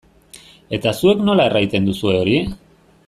Eta zuek nola erraiten duzue hori?